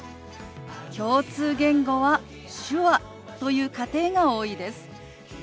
共通言語は手話という家庭が多いです。